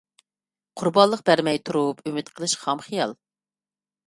قۇربانلىق بەرمەي تۇرۇپ ئۈمىد قىلىش خام خىيال.